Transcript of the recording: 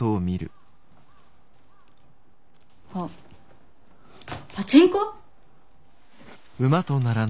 あっパチンコ？